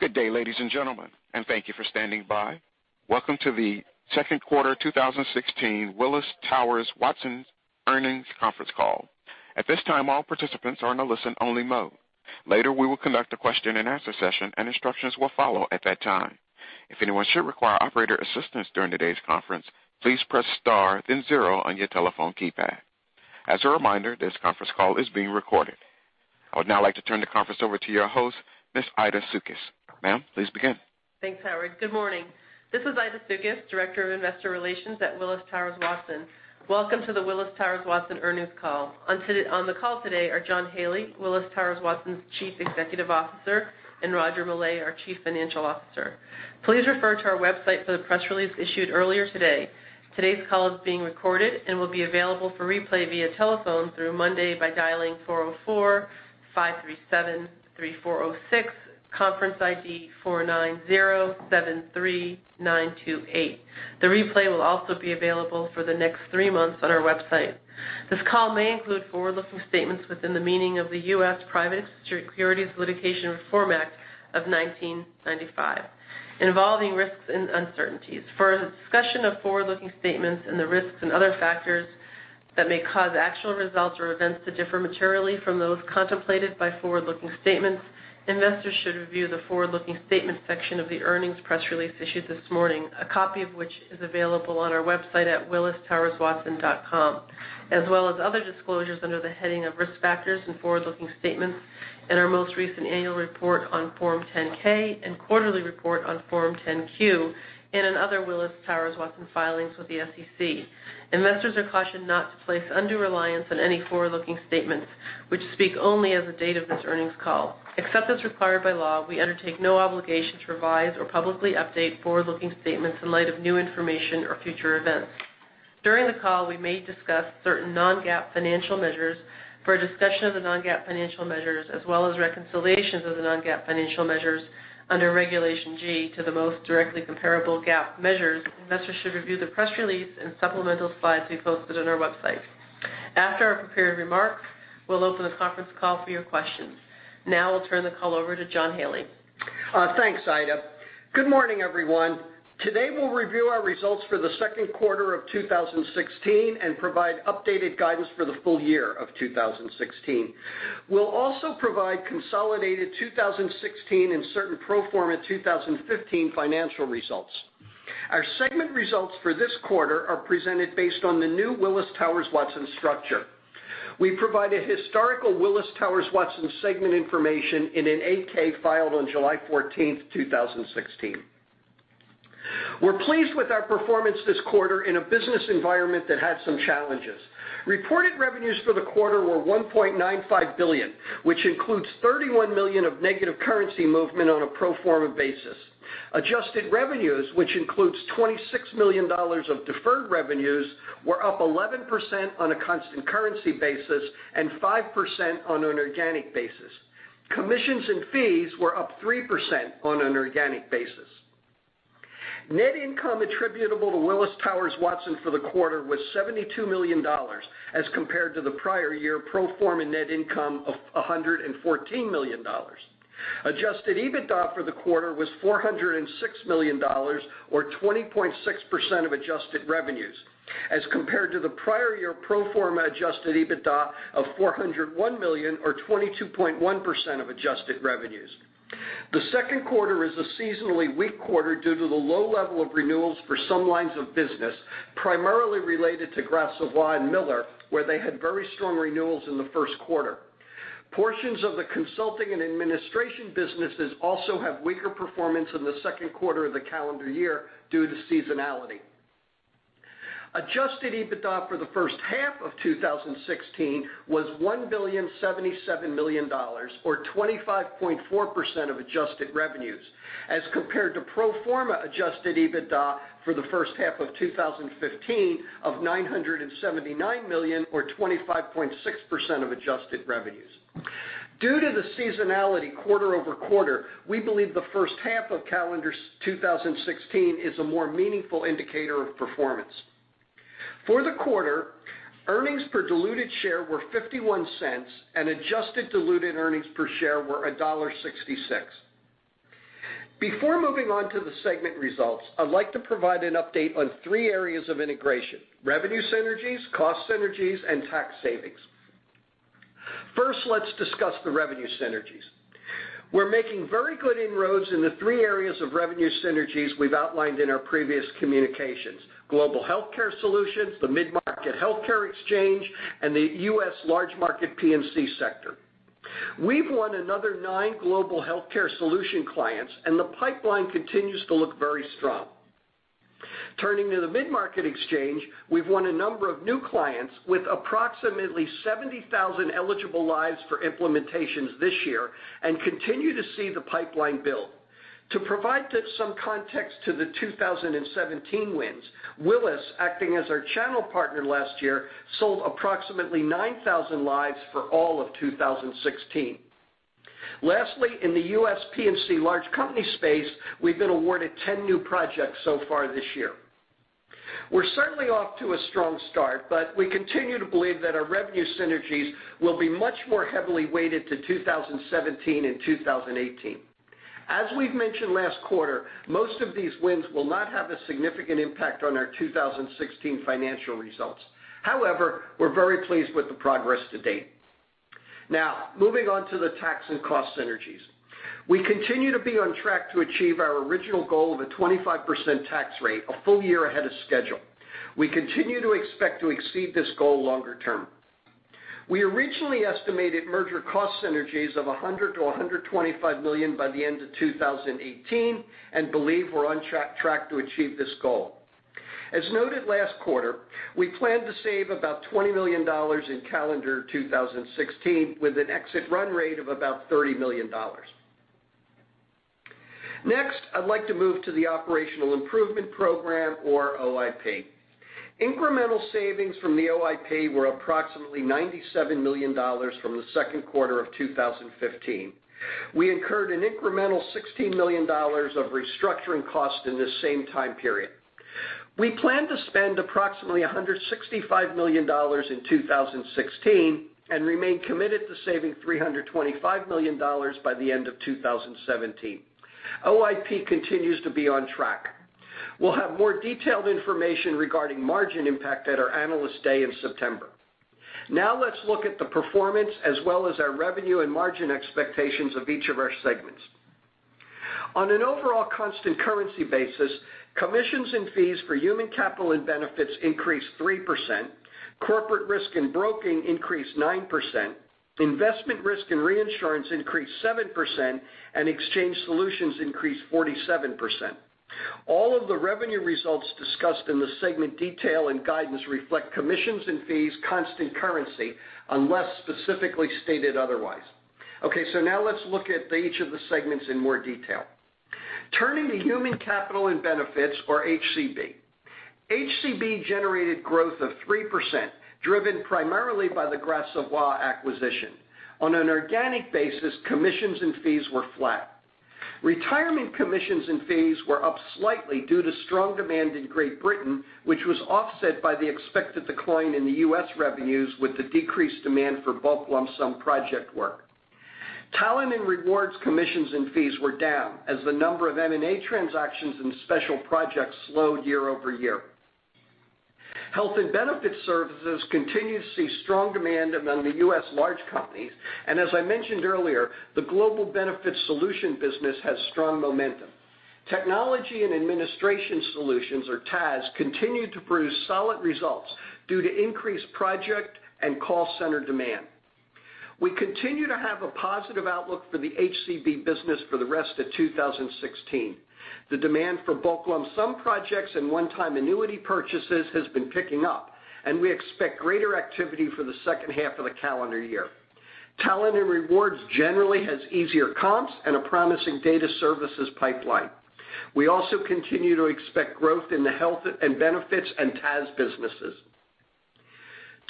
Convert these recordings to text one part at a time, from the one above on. Good day, ladies and gentlemen, and thank you for standing by. Welcome to the second quarter 2016 Willis Towers Watson earnings conference call. At this time, all participants are in a listen-only mode. Later, we will conduct a question and answer session and instructions will follow at that time. If anyone should require operator assistance during today's conference, please press star then zero on your telephone keypad. As a reminder, this conference call is being recorded. I would now like to turn the conference over to your host, Ms. Aida Suka. Ma'am, please begin. Thanks, Howard. Good morning. This is Aida Suka, Director of Investor Relations at Willis Towers Watson. Welcome to the Willis Towers Watson earnings call. On the call today are John Haley, Willis Towers Watson's Chief Executive Officer, and Roger Millay, our Chief Financial Officer. Please refer to our website for the press release issued earlier today. Today's call is being recorded and will be available for replay via telephone through Monday by dialing 404-537-3406, conference ID 490-73928. The replay will also be available for the next three months on our website. This call may include forward-looking statements within the meaning of the U.S. Private Securities Litigation Reform Act of 1995, involving risks and uncertainties. For a discussion of forward-looking statements and the risks and other factors that may cause actual results or events to differ materially from those contemplated by forward-looking statements, investors should review the forward-looking statements section of the earnings press release issued this morning, a copy of which is available on our website at willistowerswatson.com, as well as other disclosures under the heading of Risk Factors and Forward-Looking Statements in our most recent annual report on Form 10-K and quarterly report on Form 10-Q, and in other Willis Towers Watson filings with the SEC. Investors are cautioned not to place undue reliance on any forward-looking statements, which speak only as of the date of this earnings call. Except as required by law, we undertake no obligation to revise or publicly update forward-looking statements in light of new information or future events. During the call, we may discuss certain non-GAAP financial measures. For a discussion of the non-GAAP financial measures, as well as reconciliations of the non-GAAP financial measures under Regulation G to the most directly comparable GAAP measures, investors should review the press release and supplemental slides we posted on our website. After our prepared remarks, we'll open the conference call for your questions. I'll turn the call over to John Haley. Thanks, Aida. Good morning, everyone. Today we'll review our results for the second quarter of 2016 and provide updated guidance for the full year of 2016. We'll also provide consolidated 2016 and certain pro forma 2015 financial results. Our segment results for this quarter are presented based on the new Willis Towers Watson structure. We provided historical Willis Towers Watson segment information in an 8-K filed on July 14th, 2016. We're pleased with our performance this quarter in a business environment that had some challenges. Reported revenues for the quarter were $1.95 billion, which includes $31 million of negative currency movement on a pro forma basis. Adjusted revenues, which includes $26 million of deferred revenues, were up 11% on a constant currency basis and 5% on an organic basis. Commissions and fees were up 3% on an organic basis. Net income attributable to Willis Towers Watson for the quarter was $72 million, as compared to the prior year pro forma net income of $114 million. Adjusted EBITDA for the quarter was $406 million, or 20.6% of adjusted revenues, as compared to the prior year pro forma adjusted EBITDA of $401 million or 22.1% of adjusted revenues. The second quarter is a seasonally weak quarter due to the low level of renewals for some lines of business, primarily related to Gras Savoye and Miller, where they had very strong renewals in the first quarter. Portions of the consulting and administration businesses also have weaker performance in the second quarter of the calendar year due to seasonality. Adjusted EBITDA for the first half of 2016 was $1.077 billion, or 25.4% of adjusted revenues, as compared to pro forma adjusted EBITDA for the first half of 2015 of $979 million or 25.6% of adjusted revenues. Due to the seasonality quarter-over-quarter, we believe the first half of calendar 2016 is a more meaningful indicator of performance. For the quarter, earnings per diluted share were $0.51 and adjusted diluted earnings per share were $1.66. Before moving on to the segment results, I'd like to provide an update on three areas of integration, revenue synergies, cost synergies, and tax savings. First, let's discuss the revenue synergies. We're making very good inroads in the three areas of revenue synergies we've outlined in our previous communications, global healthcare solutions, the mid-market healthcare exchange, and the U.S. large market P&C sector. We've won another nine global healthcare solution clients, and the pipeline continues to look very strong. Turning to the mid-market exchange, we've won a number of new clients with approximately 70,000 eligible lives for implementations this year and continue to see the pipeline build. To provide some context to the 2017 wins, Willis, acting as our channel partner last year, sold approximately 9,000 lives for all of 2016. Lastly, in the U.S. P&C large company space, we've been awarded 10 new projects so far this year. We're certainly off to a strong start, but we continue to believe that our revenue synergies will be much more heavily weighted to 2017 and 2018. As we've mentioned last quarter, most of these wins will not have a significant impact on our 2016 financial results. However, we're very pleased with the progress to date. Moving on to the tax and cost synergies. We continue to be on track to achieve our original goal of a 25% tax rate, a full year ahead of schedule. We continue to expect to exceed this goal longer term. We originally estimated merger cost synergies of $100 million-$125 million by the end of 2018, and believe we're on track to achieve this goal. As noted last quarter, we plan to save about $20 million in calendar 2016 with an exit run rate of about $30 million. Next, I'd like to move to the operational improvement program or OIP. Incremental savings from the OIP were approximately $97 million from the second quarter of 2015. We incurred an incremental $16 million of restructuring costs in the same time period. We plan to spend approximately $165 million in 2016 and remain committed to saving $325 million by the end of 2017. OIP continues to be on track. We'll have more detailed information regarding margin impact at our Analyst Day in September. Now let's look at the performance as well as our revenue and margin expectations of each of our segments. On an overall constant currency basis, commissions and fees for human capital and benefits increased 3%, corporate risk and broking increased 9%, investment risk and reinsurance increased 7%, and Exchange Solutions increased 47%. All of the revenue results discussed in the segment detail and guidance reflect commissions and fees constant currency unless specifically stated otherwise. Now let's look at each of the segments in more detail. Turning to human capital and benefits or HCB. HCB generated growth of 3%, driven primarily by the Gras Savoye acquisition. On an organic basis, commissions and fees were flat. Retirement commissions and fees were up slightly due to strong demand in Great Britain, which was offset by the expected decline in the U.S. revenues with the decreased demand for bulk lump sum project work. Talent and rewards commissions and fees were down as the number of M&A transactions and special projects slowed year-over-year. Health and benefits services continue to see strong demand among the U.S. large companies, and as I mentioned earlier, the global benefits solution business has strong momentum. Technology and administration solutions or TAS continue to produce solid results due to increased project and call center demand. We continue to have a positive outlook for the HCB business for the rest of 2016. The demand for bulk lump sum projects and one-time annuity purchases has been picking up, and we expect greater activity for the second half of the calendar year. Talent and rewards generally has easier comps and a promising data services pipeline. We also continue to expect growth in the health and benefits and TAS businesses.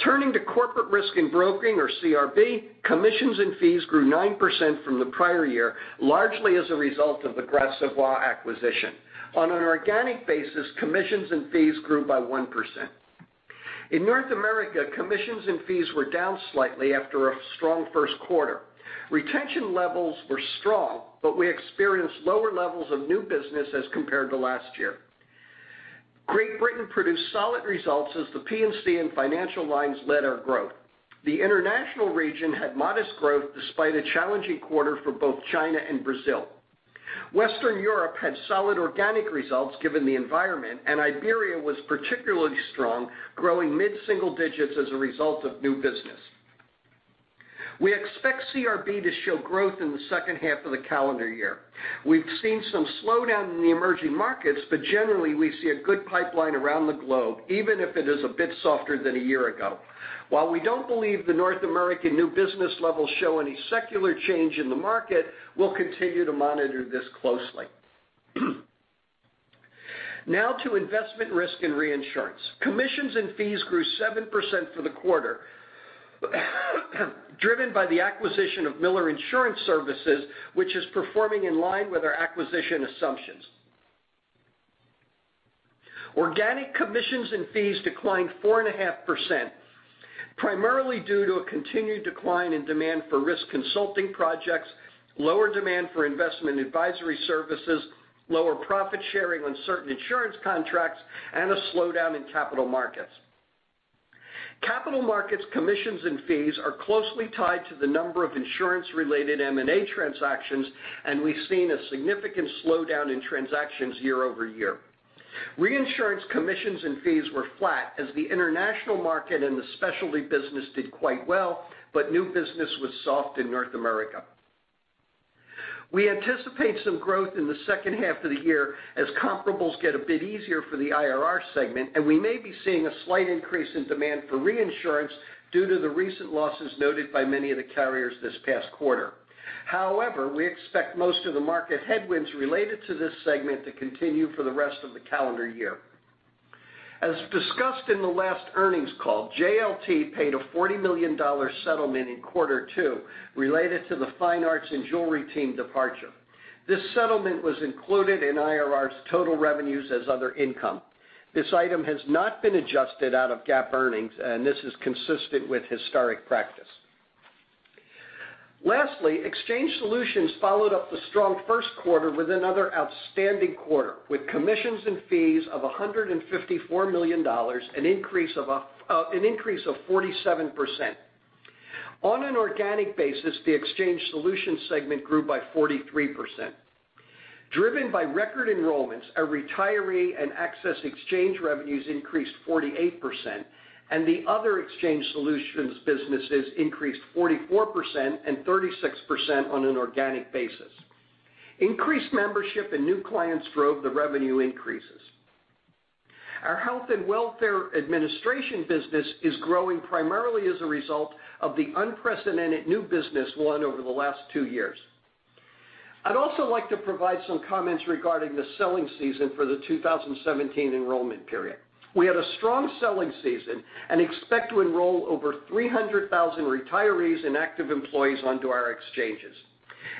Turning to corporate risk and broking or CRB, commissions and fees grew 9% from the prior year, largely as a result of the Gras Savoye acquisition. On an organic basis, commissions and fees grew by 1%. In North America, commissions and fees were down slightly after a strong first quarter. Retention levels were strong, but we experienced lower levels of new business as compared to last year. Great Britain produced solid results as the P&C and financial lines led our growth. The international region had modest growth despite a challenging quarter for both China and Brazil. Western Europe had solid organic results given the environment, and Iberia was particularly strong, growing mid-single digits as a result of new business. We expect CRB to show growth in the second half of the calendar year. We've seen some slowdown in the emerging markets, but generally, we see a good pipeline around the globe, even if it is a bit softer than a year ago. While we don't believe the North American new business levels show any secular change in the market, we'll continue to monitor this closely. Now to investment risk and reinsurance. Commissions and fees grew 7% for the quarter, driven by the acquisition of Miller Insurance Services, which is performing in line with our acquisition assumptions. Organic commissions and fees declined 4.5%, primarily due to a continued decline in demand for risk consulting projects, lower demand for investment advisory services, lower profit sharing on certain insurance contracts, and a slowdown in capital markets. Capital markets commissions and fees are closely tied to the number of insurance-related M&A transactions, and we've seen a significant slowdown in transactions year-over-year. Reinsurance commissions and fees were flat as the international market and the specialty business did quite well, but new business was soft in North America. We anticipate some growth in the second half of the year as comparables get a bit easier for the IRR segment, and we may be seeing a slight increase in demand for reinsurance due to the recent losses noted by many of the carriers this past quarter. However, we expect most of the market headwinds related to this segment to continue for the rest of the calendar year. As discussed in the last earnings call, JLT paid a $40 million settlement in quarter two related to the fine arts and jewelry team departure. This settlement was included in IRR's total revenues as other income. This item has not been adjusted out of GAAP earnings, and this is consistent with historic practice. Lastly, Exchange Solutions followed up the strong first quarter with another outstanding quarter, with commissions and fees of $154 million, an increase of 47%. On an organic basis, the Exchange Solutions segment grew by 43%. Driven by record enrollments, our retiree and access exchange revenues increased 48%, and the other Exchange Solutions businesses increased 44% and 36% on an organic basis. Increased membership and new clients drove the revenue increases. Our health and welfare administration business is growing primarily as a result of the unprecedented new business won over the last two years. I'd also like to provide some comments regarding the selling season for the 2017 enrollment period. We had a strong selling season and expect to enroll over 300,000 retirees and active employees onto our exchanges.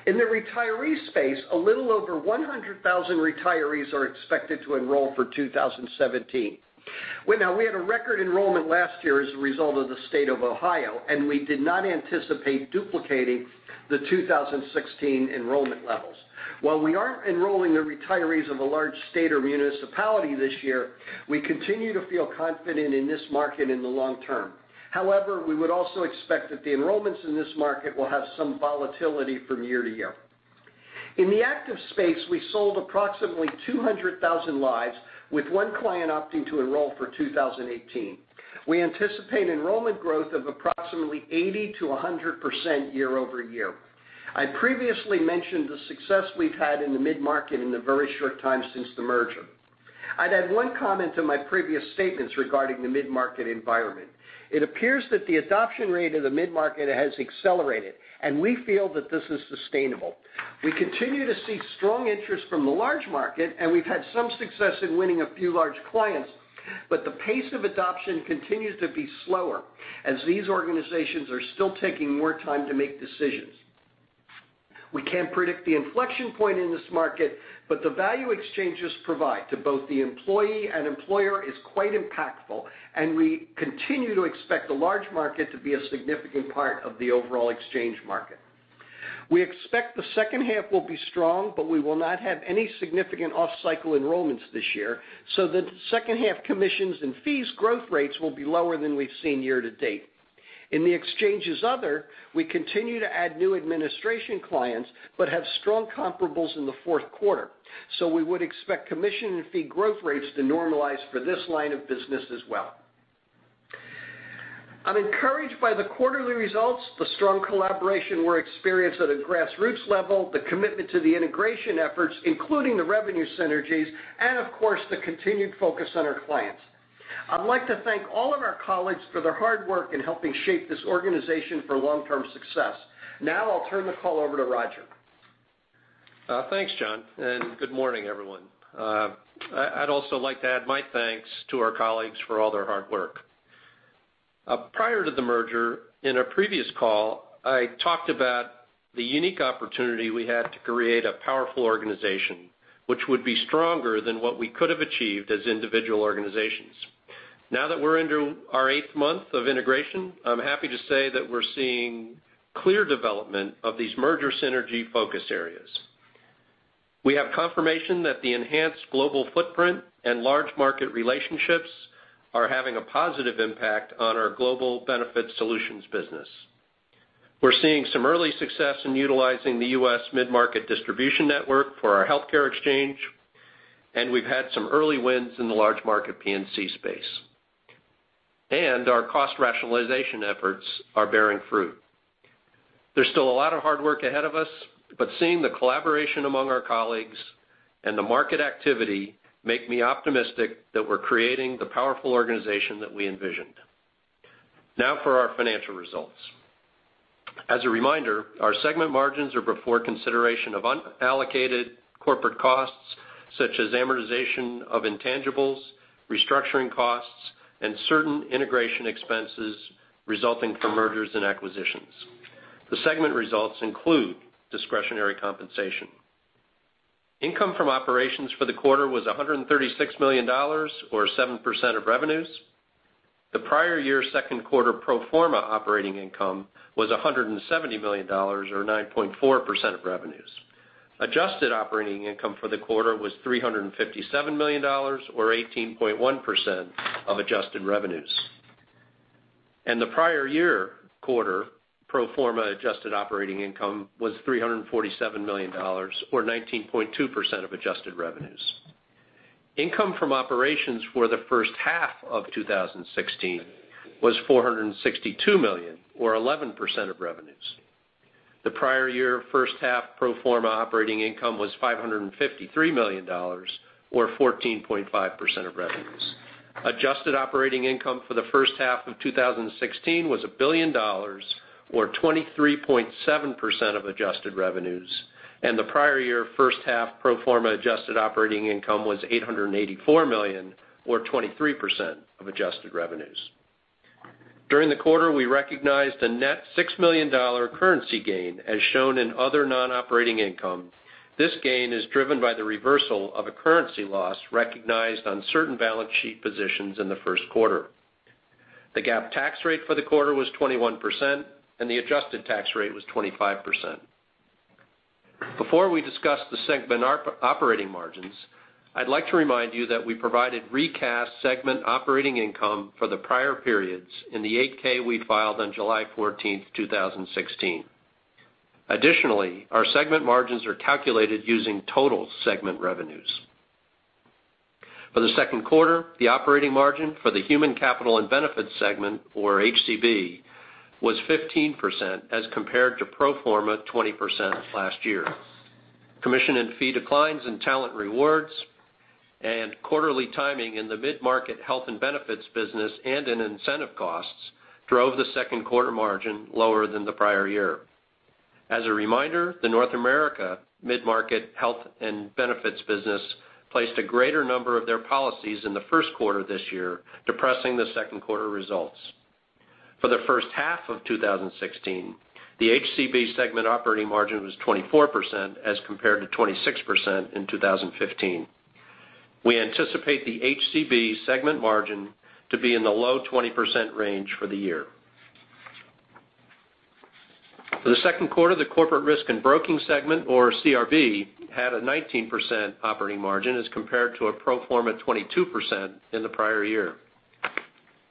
In the retiree space, a little over 100,000 retirees are expected to enroll for 2017. Now, we had a record enrollment last year as a result of the State of Ohio, and we did not anticipate duplicating the 2016 enrollment levels. While we aren't enrolling the retirees of a large state or municipality this year, we continue to feel confident in this market in the long term. However, we would also expect that the enrollments in this market will have some volatility from year-to-year. In the active space, we sold approximately 200,000 lives, with one client opting to enroll for 2018. We anticipate enrollment growth of approximately 80%-100% year-over-year. I previously mentioned the success we've had in the mid-market in the very short time since the merger. I'd add one comment to my previous statements regarding the mid-market environment. It appears that the adoption rate of the mid-market has accelerated, and we feel that this is sustainable. We continue to see strong interest from the large market, and we've had some success in winning a few large clients, but the pace of adoption continues to be slower as these organizations are still taking more time to make decisions. We can't predict the inflection point in this market, but the value exchanges provide to both the employee and employer is quite impactful, and we continue to expect the large market to be a significant part of the overall exchange market. We expect the second half will be strong, but we will not have any significant off-cycle enrollments this year, so the second half commissions and fees growth rates will be lower than we've seen year to date. In the exchanges other, we continue to add new administration clients but have strong comparables in the fourth quarter, so we would expect commission and fee growth rates to normalize for this line of business as well. I'm encouraged by the quarterly results, the strong collaboration we're experienced at a grassroots level, the commitment to the integration efforts, including the revenue synergies, and of course, the continued focus on our clients. I'd like to thank all of our colleagues for their hard work in helping shape this organization for long-term success. I'll turn the call over to Roger. Thanks, John. Good morning, everyone. I'd also like to add my thanks to our colleagues for all their hard work. Prior to the merger, in a previous call, I talked about the unique opportunity we had to create a powerful organization which would be stronger than what we could have achieved as individual organizations. Now that we're into our eighth month of integration, I'm happy to say that we're seeing clear development of these merger synergy focus areas. We have confirmation that the enhanced global footprint and large market relationships are having a positive impact on our global benefit solutions business. We're seeing some early success in utilizing the U.S. mid-market distribution network for our healthcare exchange, and we've had some early wins in the large market P&C space. Our cost rationalization efforts are bearing fruit. There's still a lot of hard work ahead of us, but seeing the collaboration among our colleagues and the market activity make me optimistic that we're creating the powerful organization that we envisioned. For our financial results. As a reminder, our segment margins are before consideration of unallocated corporate costs, such as amortization of intangibles, restructuring costs, and certain integration expenses resulting from mergers and acquisitions. The segment results include discretionary compensation. Income from operations for the quarter was $136 million, or 7% of revenues. The prior year second quarter pro forma operating income was $170 million, or 9.4% of revenues. Adjusted operating income for the quarter was $357 million, or 18.1% of adjusted revenues. In the prior year quarter, pro forma adjusted operating income was $347 million, or 19.2% of adjusted revenues. Income from operations for the first half of 2016 was $462 million, or 11% of revenues. The prior year first half pro forma operating income was $553 million, or 14.5% of revenues. Adjusted operating income for the first half of 2016 was $1 billion, or 23.7% of adjusted revenues. The prior year first half pro forma adjusted operating income was $884 million, or 23% of adjusted revenues. During the quarter, we recognized a net $6 million currency gain, as shown in other non-operating income. This gain is driven by the reversal of a currency loss recognized on certain balance sheet positions in the first quarter. The GAAP tax rate for the quarter was 21%, and the adjusted tax rate was 25%. Before we discuss the segment operating margins, I'd like to remind you that we provided recast segment operating income for the prior periods in the 8-K we filed on July 14th, 2016. Additionally, our segment margins are calculated using total segment revenues. For the second quarter, the operating margin for the Human Capital and Benefits segment, or HCB, was 15% as compared to pro forma 20% last year. Commission and fee declines in Talent Rewards and quarterly timing in the mid-market health and benefits business and in incentive costs drove the second quarter margin lower than the prior year. As a reminder, the North America mid-market health and benefits business placed a greater number of their policies in the first quarter of this year, depressing the second quarter results. For the first half of 2016, the HCB segment operating margin was 24% as compared to 26% in 2015. We anticipate the HCB segment margin to be in the low 20% range for the year. For the second quarter, the Corporate Risk and Broking segment, or CRB, had a 19% operating margin as compared to a pro forma 22% in the prior year.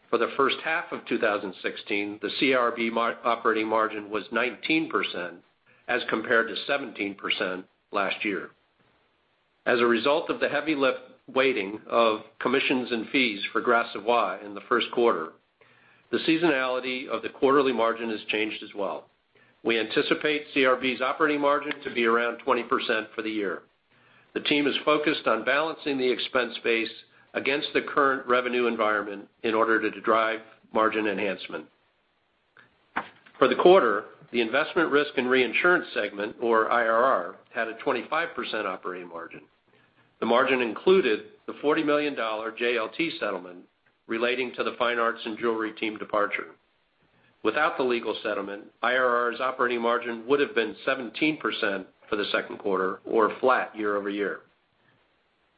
For the first half of 2016, the CRB operating margin was 19% as compared to 17% last year. As a result of the heavy weighting of commissions and fees for Gras Savoye in the first quarter, the seasonality of the quarterly margin has changed as well. We anticipate CRB's operating margin to be around 20% for the year. The team is focused on balancing the expense base against the current revenue environment in order to drive margin enhancement. For the quarter, the Investment Risk and Reinsurance segment, or IRR, had a 25% operating margin. The margin included the $40 million JLT settlement relating to the fine arts and jewelry team departure. Without the legal settlement, IRR's operating margin would have been 17% for the second quarter or flat year-over-year.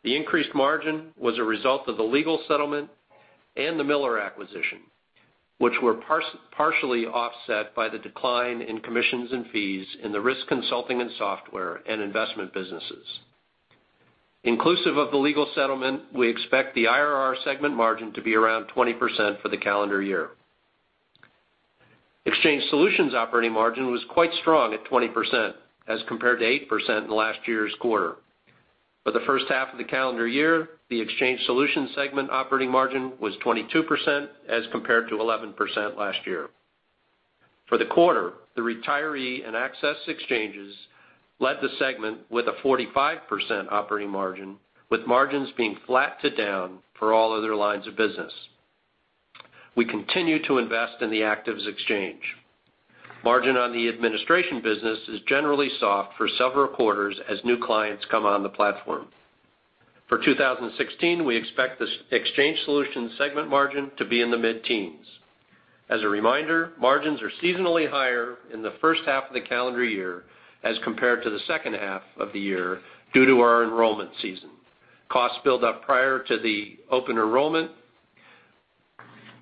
The increased margin was a result of the legal settlement and the Miller acquisition, which were partially offset by the decline in commissions and fees in the risk consulting and software and investment businesses. Inclusive of the legal settlement, we expect the IRR segment margin to be around 20% for the calendar year. Exchange Solutions operating margin was quite strong at 20% as compared to 8% in last year's quarter. For the first half of the calendar year, the Exchange Solutions segment operating margin was 22% as compared to 11% last year. For the quarter, the retiree and access exchanges led the segment with a 45% operating margin, with margins being flat to down for all other lines of business. We continue to invest in the actives exchange. Margin on the administration business is generally soft for several quarters as new clients come on the platform. For 2016, we expect the Exchange Solutions segment margin to be in the mid-teens. As a reminder, margins are seasonally higher in the first half of the calendar year as compared to the second half of the year due to our enrollment season. Costs build up prior to the open enrollment,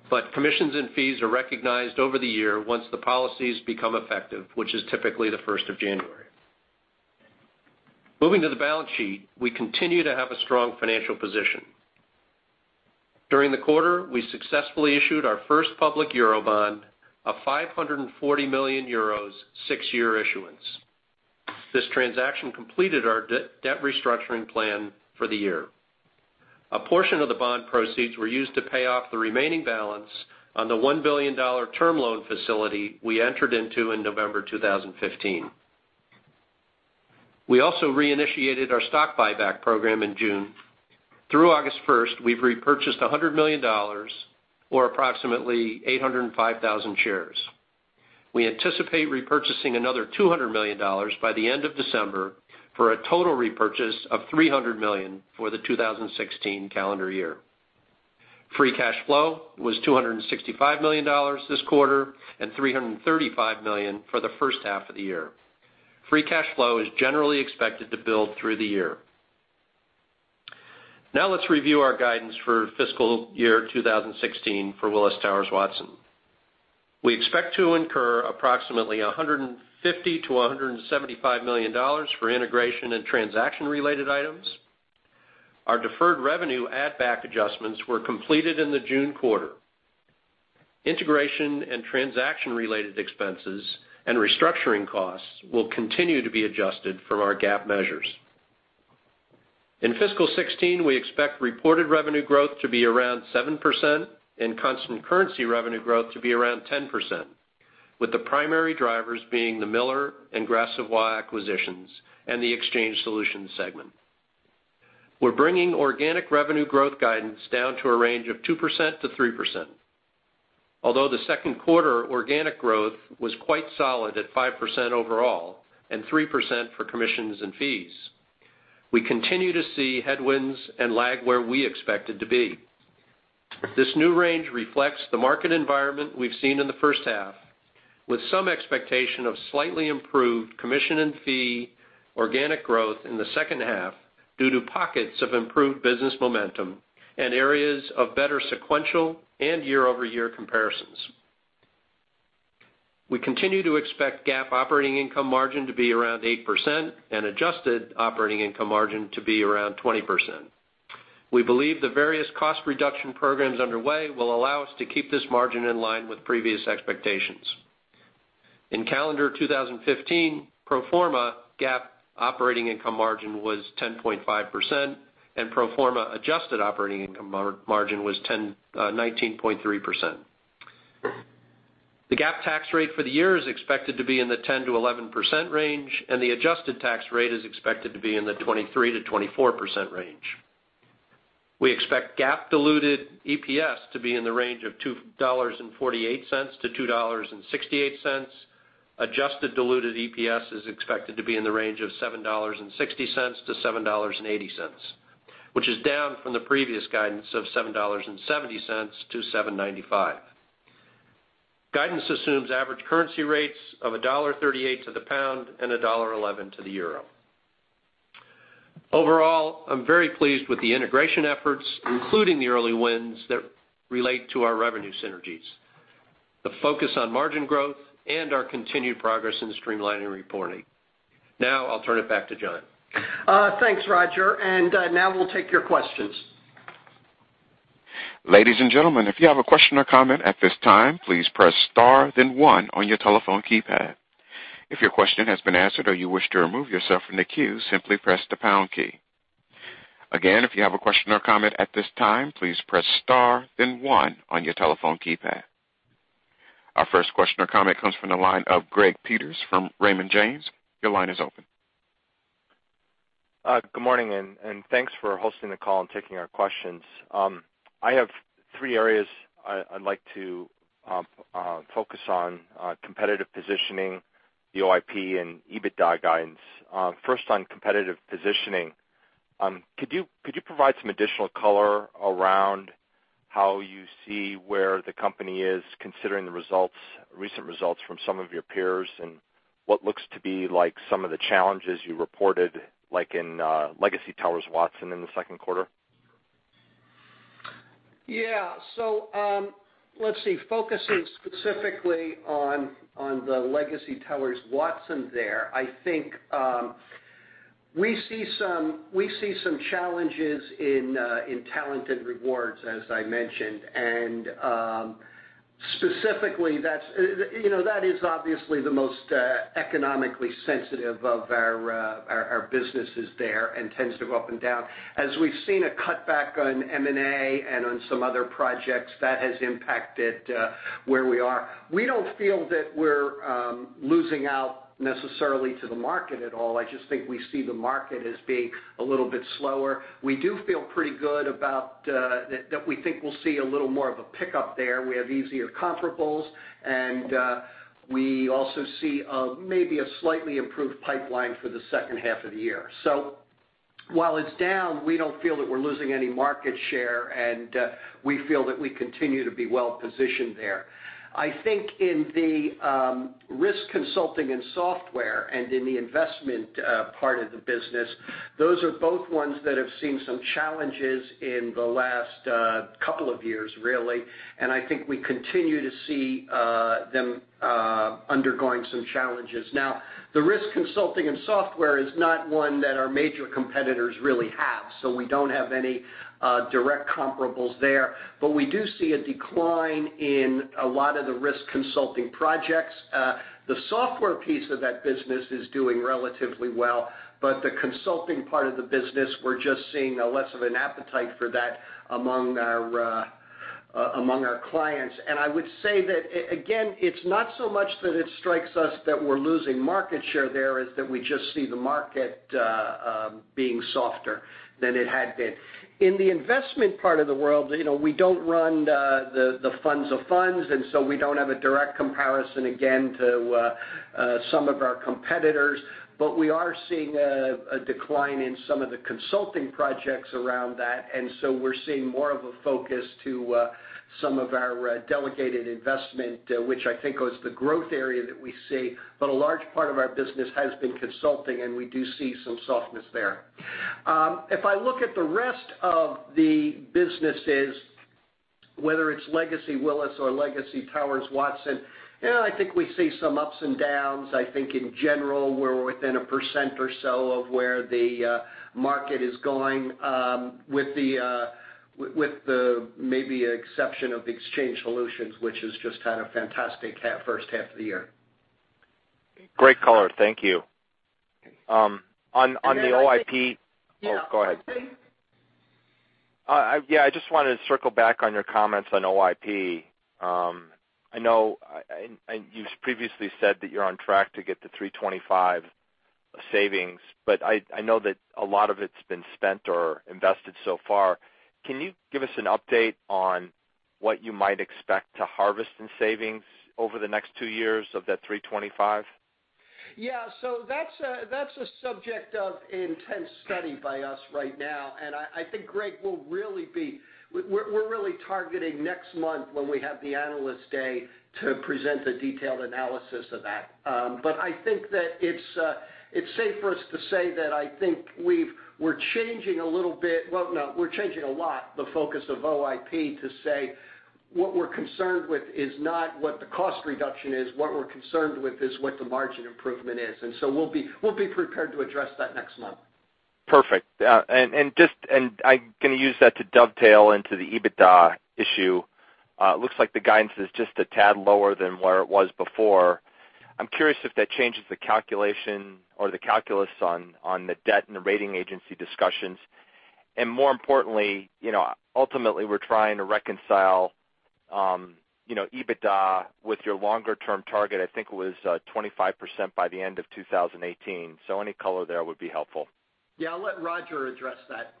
but commissions and fees are recognized over the year once the policies become effective, which is typically the 1st of January. Moving to the balance sheet, we continue to have a strong financial position. During the quarter, we successfully issued our first public Eurobond of 540 million euros six-year issuance. This transaction completed our debt restructuring plan for the year. A portion of the bond proceeds were used to pay off the remaining balance on the $1 billion term loan facility we entered into in November 2015. We also reinitiated our stock buyback program in June. Through August 1st, we've repurchased $100 million or approximately 805,000 shares. We anticipate repurchasing another $200 million by the end of December for a total repurchase of $300 million for the 2016 calendar year. Free cash flow was $265 million this quarter and $335 million for the first half of the year. Free cash flow is generally expected to build through the year. Now let's review our guidance for fiscal year 2016 for Willis Towers Watson. We expect to incur approximately $150 million to $175 million for integration and transaction-related items. Our deferred revenue add-back adjustments were completed in the June quarter. Integration and transaction-related expenses and restructuring costs will continue to be adjusted from our GAAP measures. In fiscal 2016, we expect reported revenue growth to be around 7% and constant currency revenue growth to be around 10%, with the primary drivers being the Miller and Gras Savoye acquisitions and the Exchange Solutions segment. We're bringing organic revenue growth guidance down to a range of 2%-3%. Although the second quarter organic growth was quite solid at 5% overall and 3% for commissions and fees. We continue to see headwinds and lag where we expected to be. This new range reflects the market environment we've seen in the first half, with some expectation of slightly improved commission and fee organic growth in the second half due to pockets of improved business momentum and areas of better sequential and year-over-year comparisons. We continue to expect GAAP operating income margin to be around 8% and adjusted operating income margin to be around 20%. We believe the various cost reduction programs underway will allow us to keep this margin in line with previous expectations. In calendar 2015, pro forma GAAP operating income margin was 10.5%, and pro forma adjusted operating income margin was 19.3%. The GAAP tax rate for the year is expected to be in the 10%-11% range, and the adjusted tax rate is expected to be in the 23%-24% range. We expect GAAP diluted EPS to be in the range of $2.48 to $2.68. Adjusted diluted EPS is expected to be in the range of $7.60 to $7.80, which is down from the previous guidance of $7.70 to $7.95. Guidance assumes average currency rates of $1.38 to the pound and $1.11 to the euro. Overall, I'm very pleased with the integration efforts, including the early wins that relate to our revenue synergies, the focus on margin growth, and our continued progress in streamlining reporting. Now I'll turn it back to John. Thanks, Roger. Now we'll take your questions. Ladies and gentlemen, if you have a question or comment at this time, please press star then one on your telephone keypad. If your question has been answered or you wish to remove yourself from the queue, simply press the pound key. Again, if you have a question or comment at this time, please press star then one on your telephone keypad. Our first question or comment comes from the line of Gregory Peters from Raymond James. Your line is open. Good morning, and thanks for hosting the call and taking our questions. I have three areas I'd like to focus on: competitive positioning, the OIP, and EBITDA guidance. First, on competitive positioning, could you provide some additional color around how you see where the company is considering the recent results from some of your peers and what looks to be some of the challenges you reported, like in legacy Towers Watson in the second quarter? Let's see. Focusing specifically on the legacy Towers Watson there, I think we see some challenges in talent and rewards, as I mentioned. Specifically, that is obviously the most economically sensitive of our businesses there and tends to go up and down. As we've seen a cutback on M&A and on some other projects, that has impacted where we are. We don't feel that we're losing out necessarily to the market at all. I just think we see the market as being a little bit slower. We do feel pretty good about that we think we'll see a little more of a pickup there. We have easier comparables, and we also see maybe a slightly improved pipeline for the second half of the year. While it's down, we don't feel that we're losing any market share, and we feel that we continue to be well-positioned there. I think in the risk consulting and software and in the investment part of the business, those are both ones that have seen some challenges in the last couple of years, really, and I think we continue to see them undergoing some challenges. The risk consulting and software is not one that our major competitors really have, so we don't have any direct comparables there. We do see a decline in a lot of the risk consulting projects. The software piece of that business is doing relatively well, but the consulting part of the business, we're just seeing less of an appetite for that among our clients. I would say that, again, it's not so much that it strikes us that we're losing market share there as that we just see the market being softer than it had been. In the investment part of the world, we don't run the funds of funds, so we don't have a direct comparison again to some of our competitors. We are seeing a decline in some of the consulting projects around that, so we're seeing more of a focus to some of our delegated investment, which I think was the growth area that we see. A large part of our business has been consulting, and we do see some softness there. If I look at the rest of the businesses, whether it's legacy Willis or legacy Towers Watson, I think we see some ups and downs. I think in general, we're within a percent or so of where the market is going, with maybe the exception of the Exchange Solutions, which has just had a fantastic first half of the year. Great color. Thank you. And then I- On the OIP. Oh, go ahead. Sorry. Yeah. I just wanted to circle back on your comments on OIP. I know you've previously said that you're on track to get to $325 savings, but I know that a lot of it's been spent or invested so far. Can you give us an update on what you might expect to harvest in savings over the next two years of that $325? Yeah. That's a subject of intense study by us right now, and I think, Greg, we're really targeting next month when we have the Analyst Day to present the detailed analysis of that. I think that it's safe for us to say that I think we're changing a little bit Well, no, we're changing a lot the focus of OIP to say what we're concerned with is not what the cost reduction is, what we're concerned with is what the margin improvement is. We'll be prepared to address that next month. Perfect. I'm going to use that to dovetail into the EBITDA issue. Looks like the guidance is just a tad lower than where it was before. I'm curious if that changes the calculation or the calculus on the debt and the rating agency discussions. More importantly, ultimately we're trying to reconcile EBITDA with your longer-term target, I think it was 25% by the end of 2018. Any color there would be helpful. I'll let Roger address that.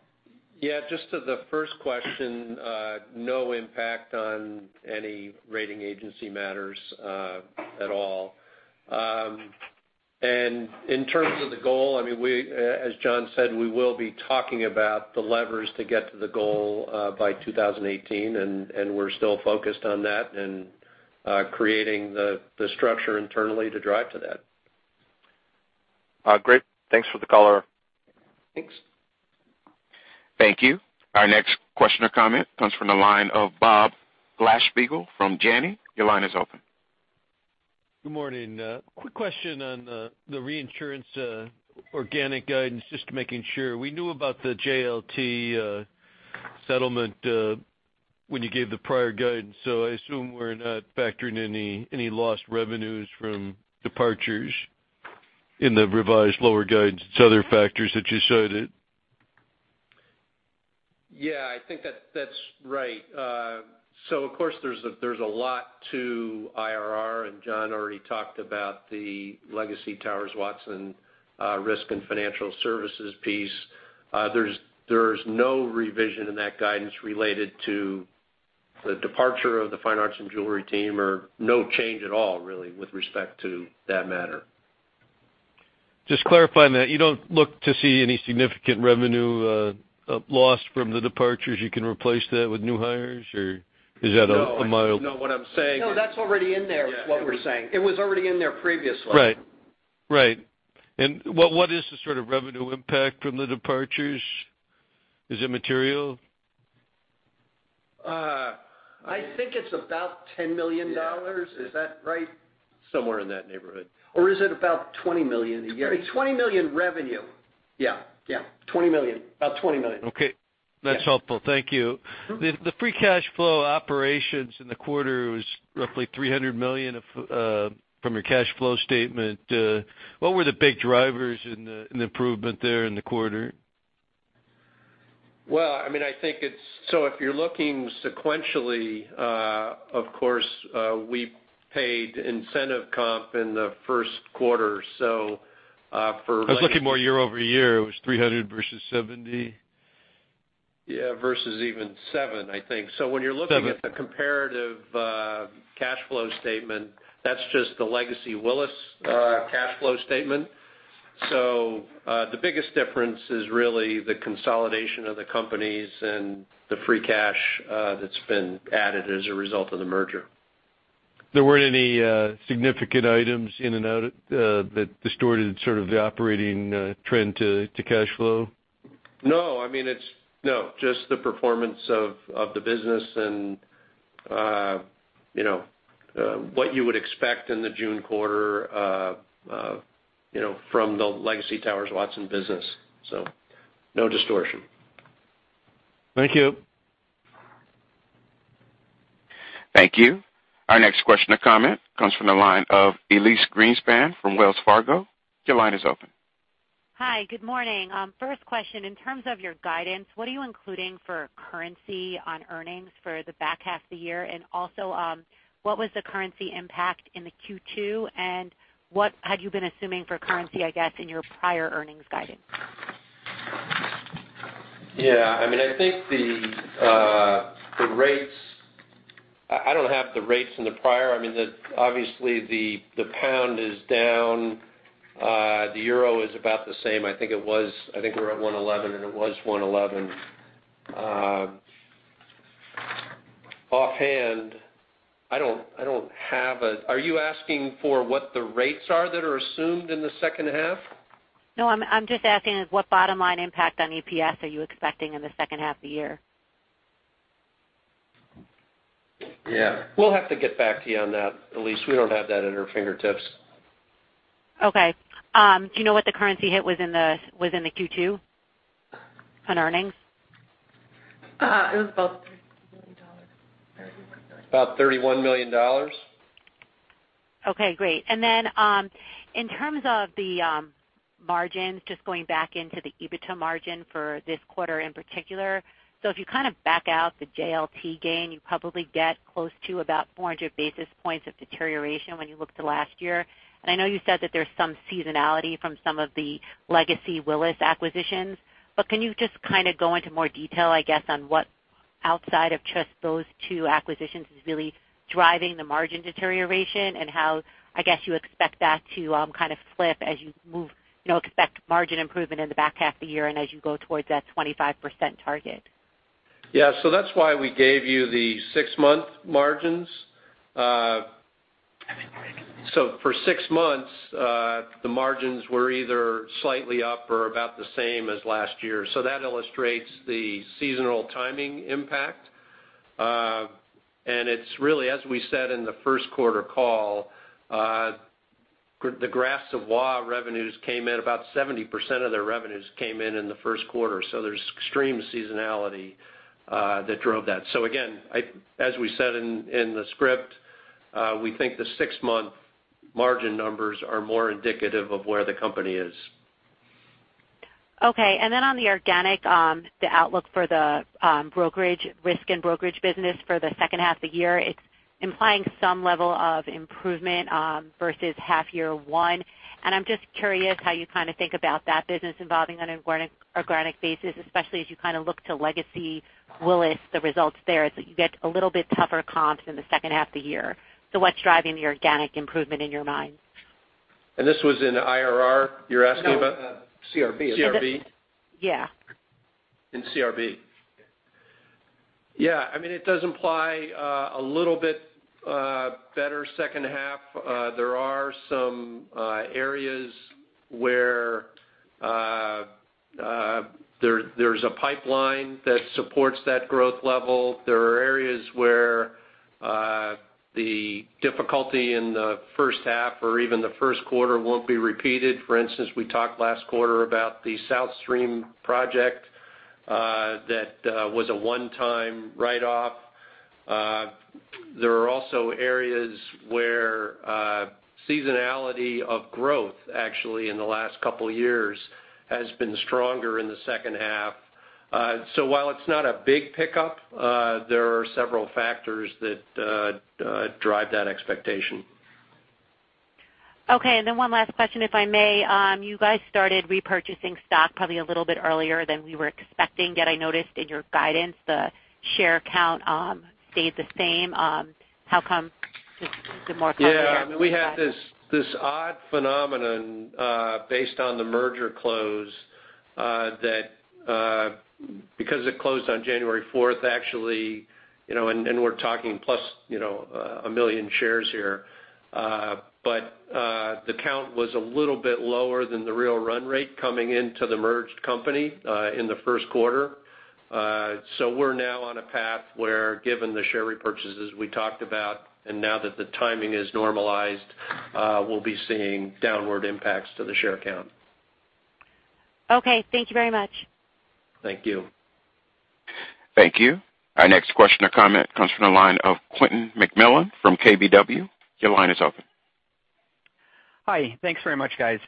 Just to the first question, no impact on any rating agency matters at all. In terms of the goal, as John said, we will be talking about the levers to get to the goal by 2018, we're still focused on that and creating the structure internally to drive to that. Great. Thanks for the color. Thanks. Thank you. Our next question or comment comes from the line of Bob Glasspiegel from Janney. Your line is open. Good morning. Quick question on the reinsurance organic guidance, just making sure. We knew about the JLT settlement when you gave the prior guidance, so I assume we're not factoring any lost revenues from departures in the revised lower guidance. It's other factors that you cited. Yeah, I think that's right. Of course, there's a lot to IRR, and John already talked about the legacy Towers Watson risk and financial services piece. There's no revision in that guidance related to the departure of the fine arts and jewelry team, or no change at all, really, with respect to that matter. Just clarifying that you don't look to see any significant revenue loss from the departures. You can replace that with new hires? Or is that a mild- No, I don't know what I'm saying. No, that's already in there is what we're saying. It was already in there previously. What is the sort of revenue impact from the departures? Is it material? I think it's about $10 million. Is that right? Somewhere in that neighborhood. Is it about $20 million? Yeah. $20 million revenue. Yeah. Yeah. $20 million. About $20 million. Okay. That's helpful. Thank you. The free cash flow operations in the quarter was roughly $300 million from your cash flow statement. What were the big drivers in the improvement there in the quarter? Well, if you're looking sequentially, of course, we paid incentive comp in the first quarter. I was looking more year-over-year. It was $300 versus $70. Yeah. Versus even $7, I think. When you're looking at the comparative cash flow statement, that's just the legacy Willis cash flow statement. The biggest difference is really the consolidation of the companies and the free cash that's been added as a result of the merger. There weren't any significant items in and out that distorted sort of the operating trend to cash flow? No, just the performance of the business and what you would expect in the June quarter from the legacy Towers Watson business. No distortion. Thank you. Thank you. Our next question or comment comes from the line of Elyse Greenspan from Wells Fargo. Your line is open. Hi. Good morning. First question, in terms of your guidance, what are you including for currency on earnings for the back half of the year? What was the currency impact in the Q2, and what had you been assuming for currency, I guess, in your prior earnings guidance? Yeah. I don't have the rates in the prior. Obviously the pound is down. The euro is about the same. I think we're at 1.11, and it was 1.11. Offhand, I don't have. Are you asking for what the rates are that are assumed in the second half? No, I'm just asking is what bottom line impact on EPS are you expecting in the second half of the year? Yeah. We'll have to get back to you on that, Elyse. We don't have that at our fingertips. Okay. Do you know what the currency hit was in the Q2 on earnings? It was about $30 million. About $31 million. Okay, great. In terms of the margins, just going back into the EBITDA margin for this quarter in particular. If you kind of back out the JLT gain, you probably get close to about 400 basis points of deterioration when you look to last year. I know you said that there's some seasonality from some of the legacy Willis acquisitions, but can you just kind of go into more detail, I guess, on what outside of just those two acquisitions is really driving the margin deterioration and how, I guess, you expect that to kind of flip as you expect margin improvement in the back half of the year and as you go towards that 25% target. Yeah. That's why we gave you the 6-month margins. I mean, margin. For 6 months, the margins were either slightly up or about the same as last year. That illustrates the seasonal timing impact. It's really, as we said in the first quarter call, the Gras Savoye revenues came in, about 70% of their revenues came in in the first quarter. There's extreme seasonality that drove that. Again, as we said in the script, we think the 6-month margin numbers are more indicative of where the company is. Okay. Then on the organic, the outlook for the risk and brokerage business for the second half of the year, it's implying some level of improvement versus half year one. I'm just curious how you kind of think about that business evolving on an organic basis, especially as you kind of look to legacy Willis, the results there. You get a little bit tougher comps in the second half of the year. What's driving the organic improvement in your mind? this was in IRR you're asking about? No, CRB. CRB? Yeah. In CRB. Yeah. It does imply a little bit better second half. There are some areas where there's a pipeline that supports that growth level. There are areas where the difficulty in the first half or even the first quarter won't be repeated. For instance, we talked last quarter about the South Stream project that was a one-time write-off. There are also areas where seasonality of growth actually in the last couple of years has been stronger in the second half. While it's not a big pickup, there are several factors that drive that expectation. Okay. One last question, if I may. You guys started repurchasing stock probably a little bit earlier than we were expecting, yet I noticed in your guidance the share count stayed the same. How come? Yeah. We had this odd phenomenon based on the merger close that because it closed on January 4th, actually, and we're talking plus 1 million shares here. The count was a little bit lower than the real run rate coming into the merged company in the first quarter. We're now on a path where, given the share repurchases we talked about, and now that the timing is normalized, we'll be seeing downward impacts to the share count. Okay. Thank you very much. Thank you. Thank you. Our next question or comment comes from the line of Quentin McMillan from KBW. Your line is open. Hi. Thanks very much, guys.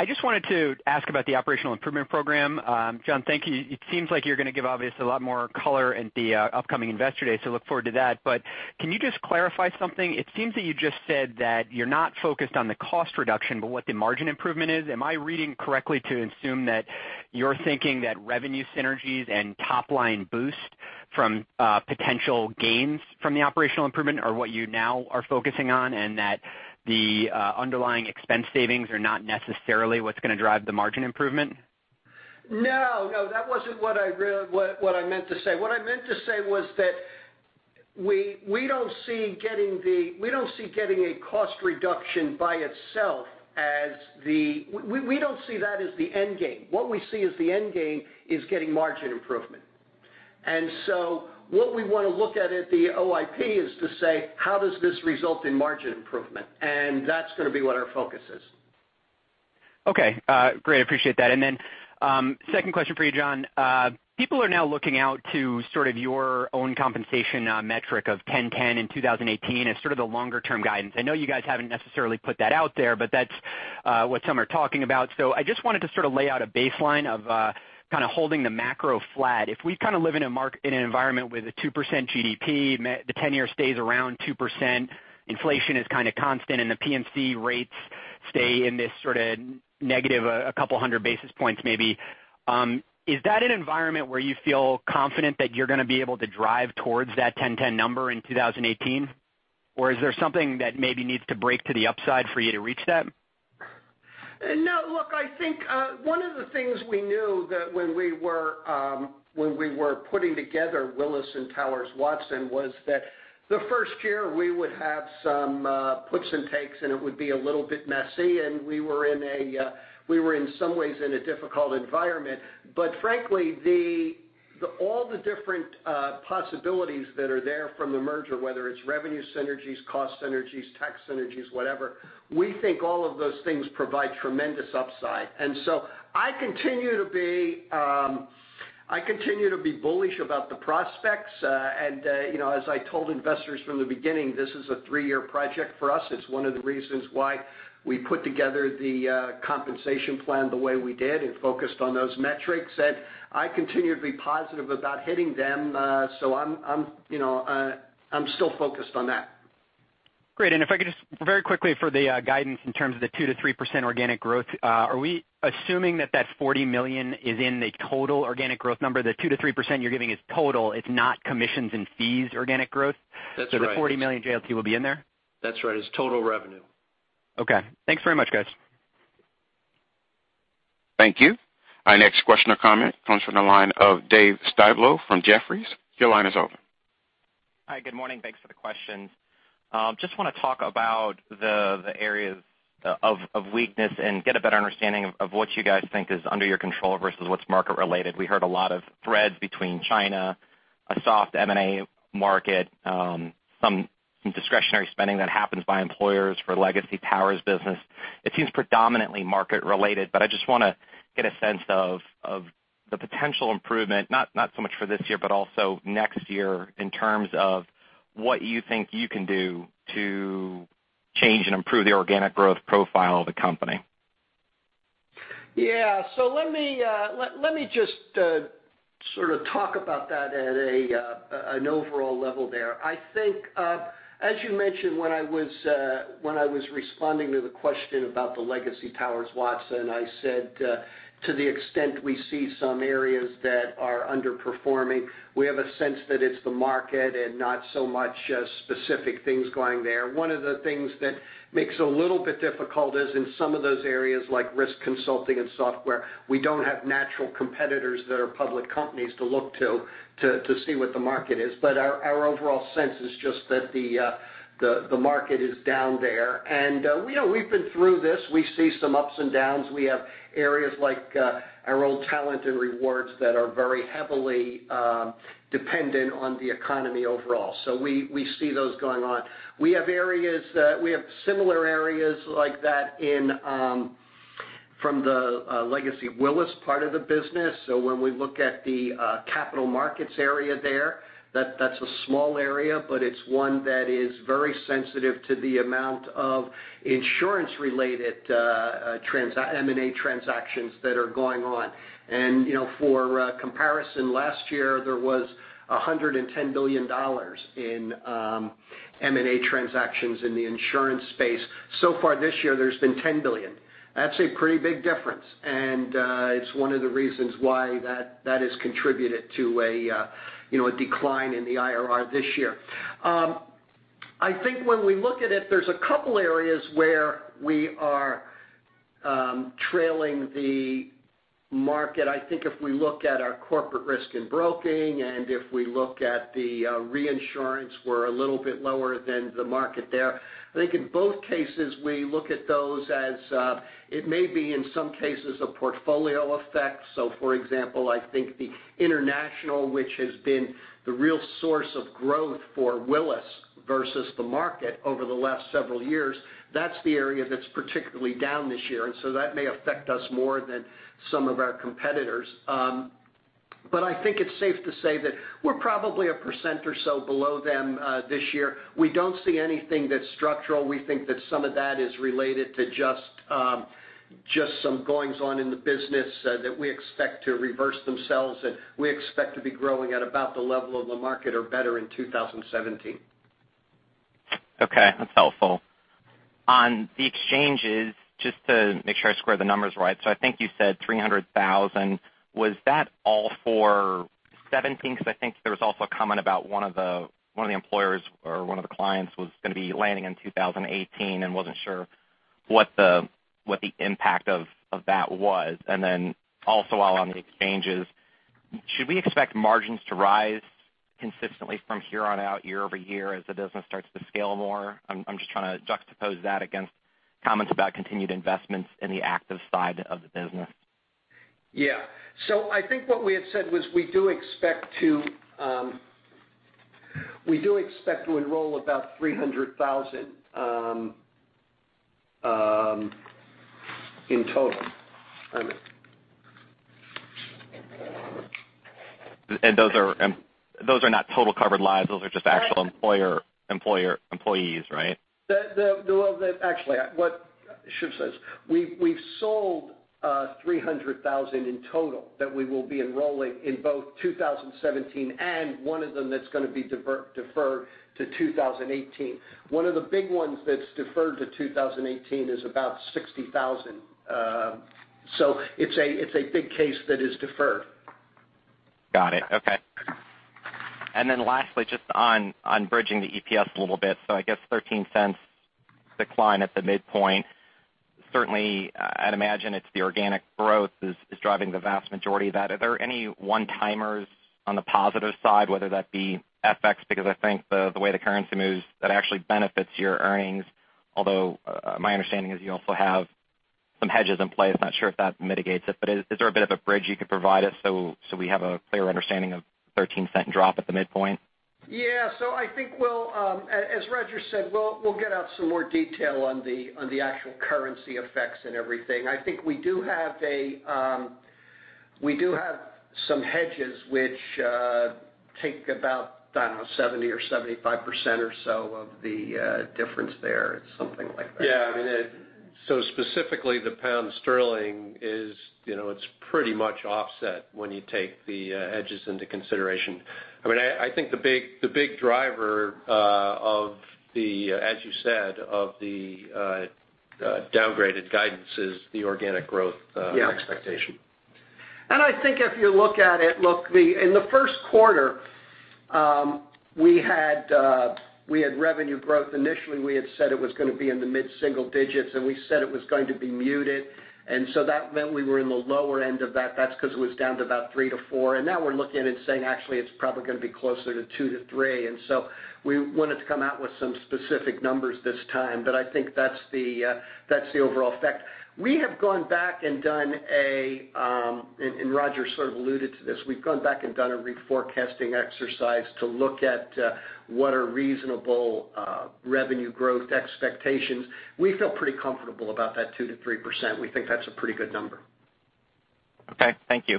I just wanted to ask about the operational improvement program. John, thank you. It seems like you're going to give obviously a lot more color at the upcoming Investor Day, look forward to that. Can you just clarify something? It seems that you just said that you're not focused on the cost reduction, but what the margin improvement is. Am I reading correctly to assume that you're thinking that revenue synergies and top-line boost from potential gains from the operational improvement are what you now are focusing on, and that the underlying expense savings are not necessarily what's going to drive the margin improvement? No, that wasn't what I meant to say. What I meant to say was that we don't see getting a cost reduction by itself, we don't see that as the end game. What we see as the end game is getting margin improvement. What we want to look at at the OIP is to say, how does this result in margin improvement? That's going to be what our focus is. Okay. Great. Appreciate that. Second question for you, John. People are now looking out to sort of your own compensation metric of 10/10 in 2018 as sort of the longer-term guidance. I know you guys haven't necessarily put that out there, that's what some are talking about. I just wanted to sort of lay out a baseline of kind of holding the macro flat. If we kind of live in an environment with a 2% GDP, the tenure stays around 2%, inflation is kind of constant, the P&C rates stay in this sort of negative 200 basis points maybe, is that an environment where you feel confident that you're going to be able to drive towards that 10/10 number in 2018? Or is there something that maybe needs to break to the upside for you to reach that? No. Look, I think one of the things we knew that when we were putting together Willis and Towers Watson was that the first year we would have some puts and takes, it would be a little bit messy, we were in some ways in a difficult environment. Frankly, all the different possibilities that are there from the merger, whether it's revenue synergies, cost synergies, tax synergies, whatever, we think all of those things provide tremendous upside. I continue to be bullish about the prospects. As I told investors from the beginning, this is a three-year project for us. It's one of the reasons why we put together the compensation plan the way we did and focused on those metrics. I continue to be positive about hitting them. I'm still focused on that. Great. If I could just very quickly for the guidance in terms of the 2%-3% organic growth, are we assuming that that $40 million is in the total organic growth number? The 2%-3% you're giving is total, it's not commissions and fees organic growth? That's right. The $40 million JLT will be in there? That's right. It's total revenue. Okay. Thanks very much, guys. Thank you. Our next question or comment comes from the line of Dave Styblo from Jefferies. Your line is open. Hi, good morning. Thanks for the question. Just want to talk about the areas of weakness and get a better understanding of what you guys think is under your control versus what's market related. We heard a lot of threads between China, a soft M&A market, some discretionary spending that happens by employers for legacy Towers business. It seems predominantly market related, but I just want to get a sense of the potential improvement, not so much for this year, but also next year in terms of what you think you can do to change and improve the organic growth profile of the company. Yeah. Let me just sort of talk about that at an overall level there. I think, as you mentioned when I was responding to the question about the legacy Towers Watson, I said, to the extent we see some areas that are underperforming, we have a sense that it's the market and not so much specific things going there. One of the things that makes it a little bit difficult is in some of those areas like risk consulting and software, we don't have natural competitors that are public companies to look to see what the market is. Our overall sense is just that the market is down there. We've been through this. We see some ups and downs. We have areas like our old talent and rewards that are very heavily dependent on the economy overall. We see those going on. We have similar areas like that from the legacy Willis part of the business. When we look at the capital markets area there, that's a small area, but it's one that is very sensitive to the amount of insurance-related M&A transactions that are going on. For comparison, last year, there was $110 billion in M&A transactions in the insurance space. So far this year, there's been $10 billion. That's a pretty big difference, and it's one of the reasons why that has contributed to a decline in the IRR this year. I think when we look at it, there's a couple areas where we are trailing the market. I think if we look at our Corporate Risk and Broking and if we look at the reinsurance, we're a little bit lower than the market there. I think in both cases, we look at those as it may be, in some cases, a portfolio effect. For example, I think the international, which has been the real source of growth for Willis versus the market over the last several years, that's the area that's particularly down this year, and that may affect us more than some of our competitors. I think it's safe to say that we're probably a percent or so below them this year. We don't see anything that's structural. We think that some of that is related to just some goings on in the business that we expect to reverse themselves, and we expect to be growing at about the level of the market or better in 2017. Okay, that's helpful. On the exchanges, just to make sure I square the numbers right. I think you said 300,000. Was that all for 2017? I think there was also a comment about one of the employers or one of the clients was going to be landing in 2018, and wasn't sure what the impact of that was. Also while on the exchanges, should we expect margins to rise consistently from here on out year-over-year as the business starts to scale more? I'm just trying to juxtapose that against comments about continued investments in the active side of the business. Yeah. I think what we had said was we do expect to enroll about 300,000 in total. Those are not total covered lives. Those are just actual employees, right? Actually, what Shiv says. We've sold 300,000 in total that we will be enrolling in both 2017 and one of them that's going to be deferred to 2018. One of the big ones that's deferred to 2018 is about 60,000. It's a big case that is deferred. Got it. Okay. Lastly, just on bridging the EPS a little bit. I guess $0.13 decline at the midpoint. Certainly, I'd imagine it's the organic growth is driving the vast majority of that. Are there any one-timers on the positive side, whether that be FX, because I think the way the currency moves, that actually benefits your earnings, although my understanding is you also have some hedges in place. Not sure if that mitigates it. Is there a bit of a bridge you could provide us so we have a clear understanding of the $0.13 drop at the midpoint? Yeah. I think as Roger said, we'll get out some more detail on the actual currency effects and everything. I think we do have some hedges which take about, I don't know, 70% or 75% or so of the difference there. It's something like that. Specifically, the pound sterling is pretty much offset when you take the hedges into consideration. I think the big driver, as you said, of the downgraded guidance is the organic growth. Yes expectation. I think if you look at it, look, in the first quarter, we had revenue growth. Initially, we had said it was going to be in the mid-single digits, we said it was going to be muted. That meant we were in the lower end of that's because it was down to about 3%-4%, and now we're looking and saying, "Actually, it's probably going to be closer to 2%-3%." We wanted to come out with some specific numbers this time. I think that's the overall effect. We have gone back, and Roger sort of alluded to this. We've gone back and done a reforecasting exercise to look at what are reasonable revenue growth expectations. We feel pretty comfortable about that 2%-3%. We think that's a pretty good number. Okay, thank you.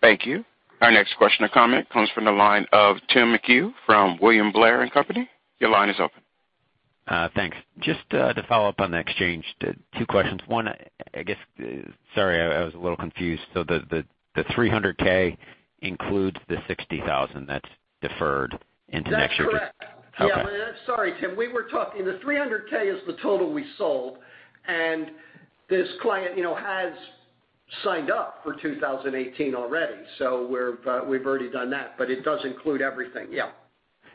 Thank you. Our next question or comment comes from the line of Tim McHugh from William Blair & Company. Your line is open. Thanks. Just to follow up on the exchange, two questions. One, I guess, sorry, I was a little confused. The $300K includes the $60,000 that's deferred into next year? That's correct. Okay. Yeah. Sorry, Tim. The $300K is the total we sold, and this client has signed up for 2018 already. We've already done that. It does include everything, yeah.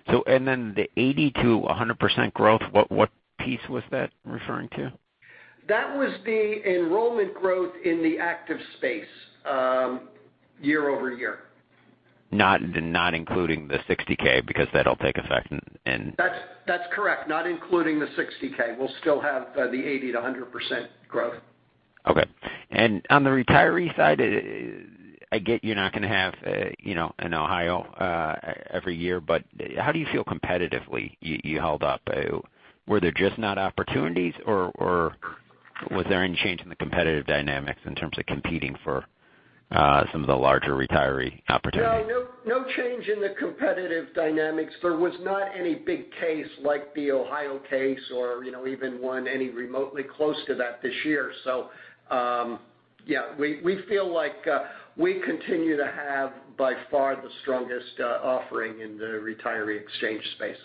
The 80%-100% growth, what piece was that referring to? That was the enrollment growth in the active space year-over-year. Not including the 60,000, because that'll take effect. That's correct. Not including the 60,000. We'll still have the 80%-100% growth. Okay. On the retiree side, I get you're not going to have an Ohio every year, but how do you feel competitively you held up? Were there just not opportunities, or was there any change in the competitive dynamics in terms of competing for some of the larger retiree opportunities? No, no change in the competitive dynamics. There was not any big case like the Ohio case or even one any remotely close to that this year. Yeah, we feel like we continue to have, by far, the strongest offering in the retiree exchange space.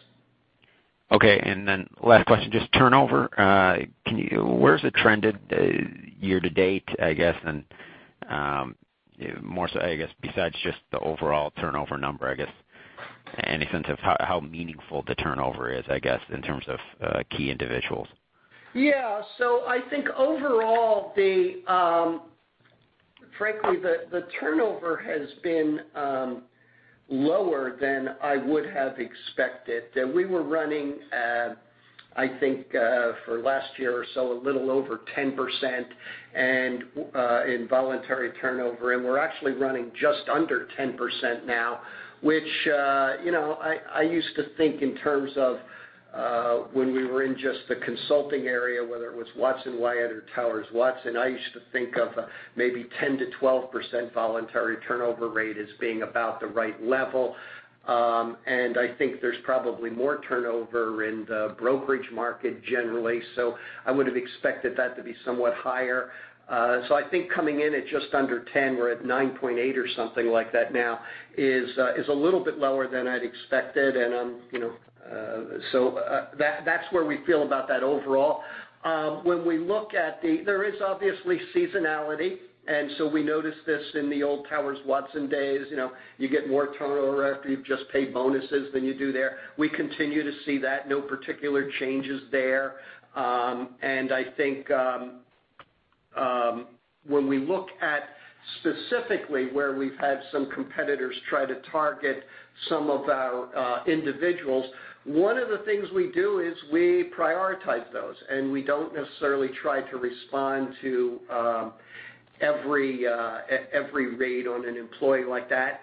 Last question, just turnover. Where has it trended year-to-date, I guess? More so, I guess, besides just the overall turnover number, I guess, any sense of how meaningful the turnover is, I guess, in terms of key individuals? Yeah. I think overall, frankly, the turnover has been lower than I would have expected. We were running, I think for last year or so, a little over 10% in voluntary turnover, and we're actually running just under 10% now, which I used to think in terms of when we were in just the consulting area, whether it was Watson Wyatt or Towers Watson, I used to think of maybe 10%-12% voluntary turnover rate as being about the right level. I think there's probably more turnover in the brokerage market generally. I would've expected that to be somewhat higher. I think coming in at just under 10, we're at 9.8 or something like that now, is a little bit lower than I'd expected, so that's where we feel about that overall. There is obviously seasonality, we noticed this in the old Towers Watson days. You get more turnover after you've just paid bonuses than you do there. We continue to see that. No particular changes there. I think when we look at specifically where we've had some competitors try to target some of our individuals, one of the things we do is we prioritize those, and we don't necessarily try to respond to every raid on an employee like that.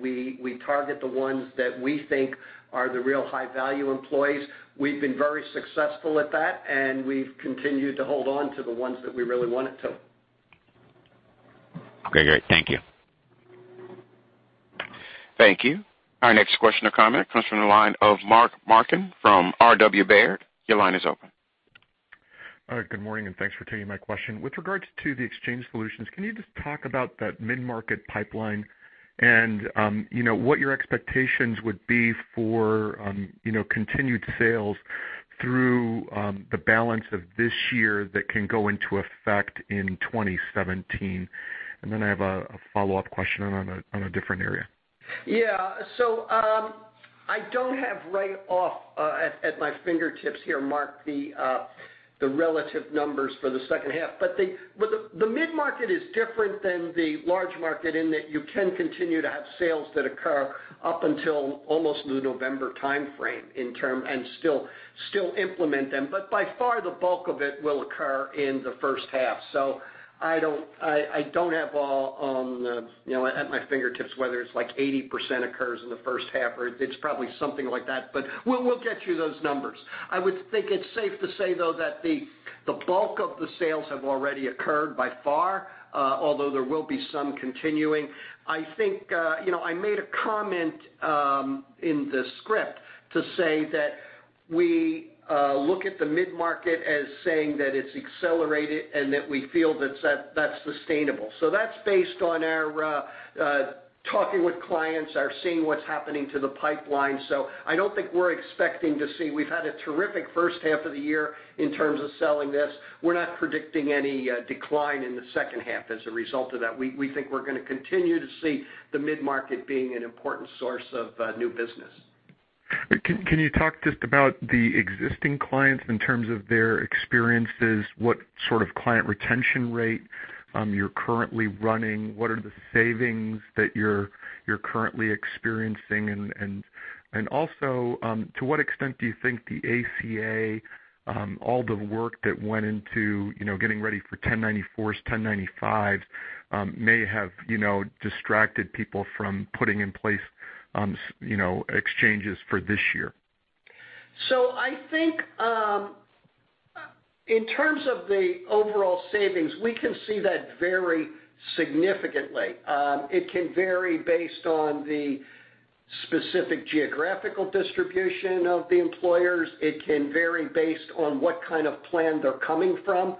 We target the ones that we think are the real high-value employees. We've been very successful at that, and we've continued to hold on to the ones that we really wanted to. Okay, great. Thank you. Thank you. Our next question or comment comes from the line of Mark Marcon from RW Baird. Your line is open. Good morning. Thanks for taking my question. With regards to the Exchange Solutions, can you just talk about that mid-market pipeline and what your expectations would be for continued sales through the balance of this year that can go into effect in 2017? Then I have a follow-up question on a different area. I don't have right off at my fingertips here, Mark, the relative numbers for the second half. The mid-market is different than the large market in that you can continue to have sales that occur up until almost the November timeframe and still implement them. By far, the bulk of it will occur in the first half. I don't have all at my fingertips whether it's like 80% occurs in the first half, or it's probably something like that. We'll get you those numbers. I would think it's safe to say, though, that the bulk of the sales have already occurred by far, although there will be some continuing. I made a comment in the script to say that we look at the mid-market as saying that it's accelerated and that we feel that that's sustainable. That's based on our talking with clients, our seeing what's happening to the pipeline. I don't think we're expecting to see. We've had a terrific first half of the year in terms of selling this. We're not predicting any decline in the second half as a result of that. We think we're going to continue to see the mid-market being an important source of new business. Can you talk just about the existing clients in terms of their experiences, what sort of client retention rate you're currently running? What are the savings that you're currently experiencing? Also, to what extent do you think the ACA, all the work that went into getting ready for 1094s, 1095s, may have distracted people from putting in place exchanges for this year? I think, in terms of the overall savings, we can see that vary significantly. It can vary based on the specific geographical distribution of the employers. It can vary based on what kind of plan they're coming from,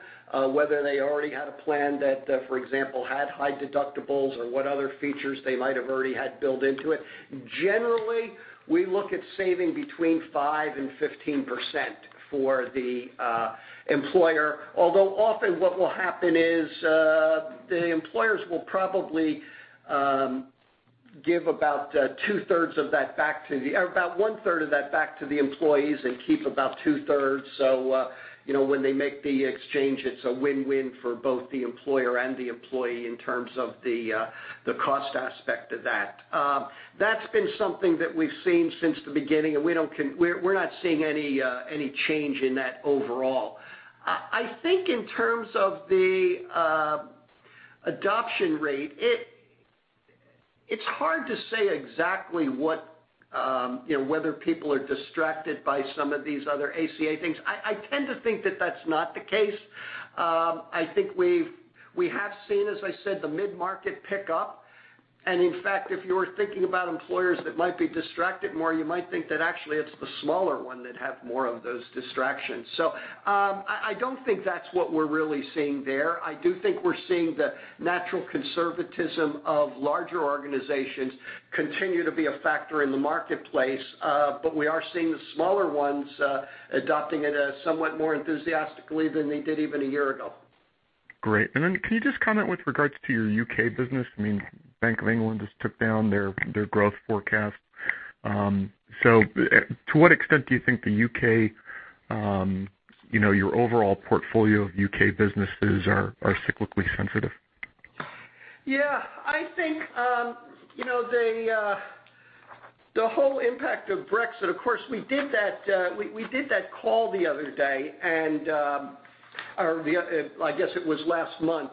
whether they already had a plan that, for example, had high deductibles or what other features they might have already had built into it. Generally, we look at saving between 5%-15% for the employer. Although often what will happen is, the employers will probably give about one-third of that back to the employees and keep about two-thirds. When they make the exchange, it's a win-win for both the employer and the employee in terms of the cost aspect of that. That's been something that we've seen since the beginning, and we're not seeing any change in that overall. I think in terms of the adoption rate, it's hard to say exactly whether people are distracted by some of these other ACA things. I tend to think that that's not the case. I think we have seen, as I said, the mid-market pick up. In fact, if you were thinking about employers that might be distracted more, you might think that actually it's the smaller ones that have more of those distractions. I don't think that's what we're really seeing there. I do think we're seeing the natural conservatism of larger organizations continue to be a factor in the marketplace. We are seeing the smaller ones adopting it somewhat more enthusiastically than they did even a year ago. Great. Can you just comment with regards to your U.K. business? Bank of England just took down their growth forecast. To what extent do you think the U.K., your overall portfolio of U.K. businesses are cyclically sensitive? I think the whole impact of Brexit, of course, we did that call the other day or I guess it was last month.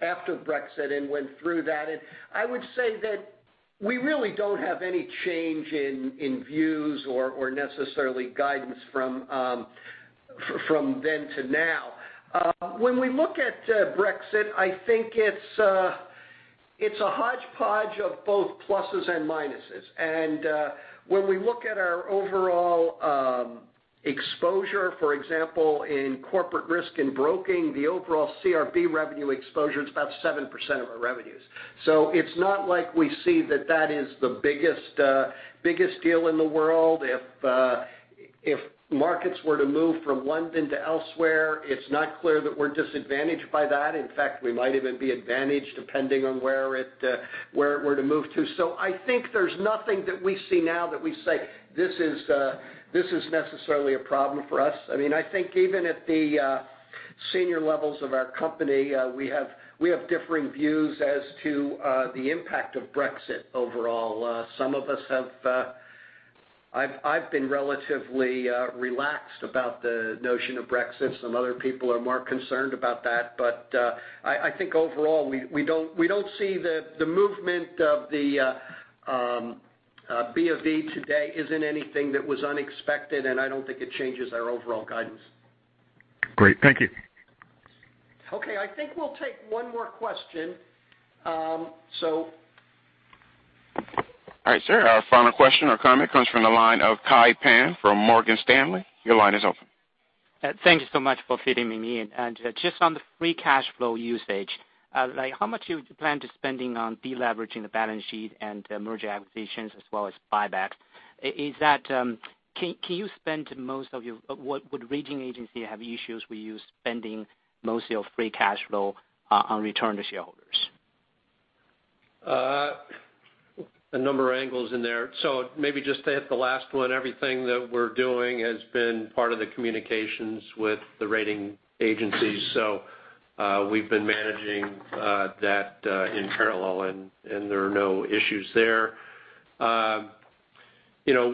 Brexit went through that. I would say that we really don't have any change in views or necessarily guidance from then to now. We look at Brexit, I think it's a hodgepodge of both pluses and minuses. We look at our overall exposure, for example, in Corporate Risk and Broking, the overall CRB revenue exposure, it's about 7% of our revenues. It's not like we see that that is the biggest deal in the world. If markets were to move from London to elsewhere, it's not clear that we're disadvantaged by that. In fact, we might even be advantaged depending on where it were to move to. I think there's nothing that we see now that we say, "This is necessarily a problem for us." I think even at the senior levels of our company, we have differing views as to the impact of Brexit overall. I've been relatively relaxed about the notion of Brexit. Some other people are more concerned about that. I think overall, we don't see the movement of the BoE today as in anything that was unexpected, and I don't think it changes our overall guidance. Great. Thank you. Okay. I think we'll take one more question. All right, sir, our final question or comment comes from the line of Kai Pan from Morgan Stanley. Your line is open. Thank you so much for fitting me in. Just on the free cash flow usage, how much you plan to spending on de-leveraging the balance sheet and merger acquisitions as well as buybacks? Would rating agency have issues with you spending most of your free cash flow on return to shareholders? A number of angles in there. Maybe just to hit the last one, everything that we're doing has been part of the communications with the rating agencies. We've been managing that in parallel, and there are no issues there.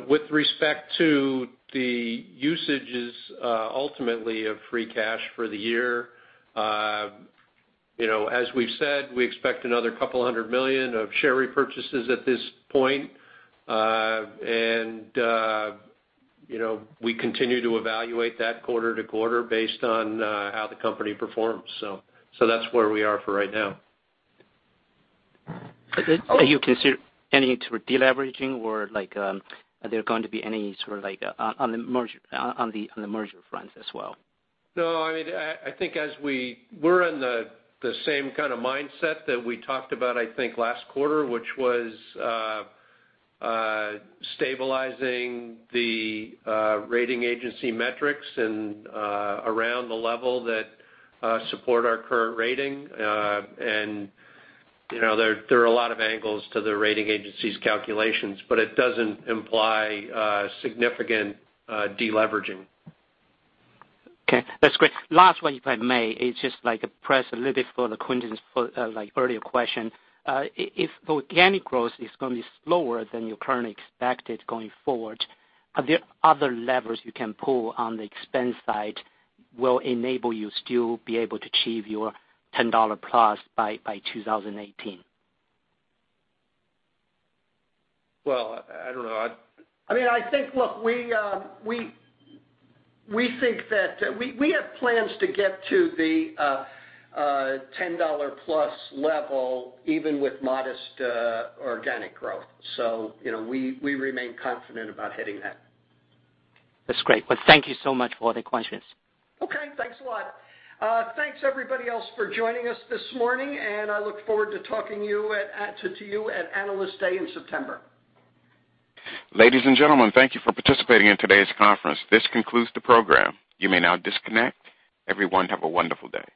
With respect to the usages ultimately of free cash for the year. As we've said, we expect another $200 million of share repurchases at this point. We continue to evaluate that quarter to quarter based on how the company performs. That's where we are for right now. Are you considering any sort of de-leveraging, or are there going to be any sort of on the merger front as well? No, I think we're in the same kind of mindset that we talked about, I think last quarter, which was stabilizing the rating agency metrics and around the level that support our current rating. There are a lot of angles to the rating agency's calculations, but it doesn't imply significant de-leveraging. Okay. That's great. Last one, if I may. It's just like a [inaudible] for Quentin's earlier question. If organic growth is going to be slower than you currently expected going forward, are there other levers you can pull on the expense side will enable you to still be able to achieve your $10 plus by 2018? I don't know. I think, look, we have plans to get to the $10 plus level even with modest organic growth. We remain confident about hitting that. That's great. Well, thank you so much for the questions. Okay. Thanks a lot. Thanks everybody else for joining us this morning. I look forward to talking to you at Analyst Day in September. Ladies and gentlemen, thank you for participating in today's conference. This concludes the program. You may now disconnect. Everyone, have a wonderful day.